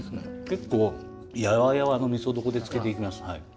結構やわやわの味噌床で漬けていきます。